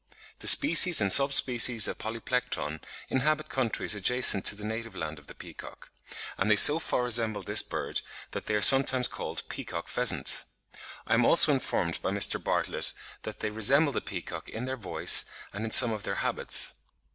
The species and sub species of Polyplectron inhabit countries adjacent to the native land of the peacock; and they so far resemble this bird that they are sometimes called peacock pheasants. I am also informed by Mr. Bartlett that they resemble the peacock in their voice and in some of their habits.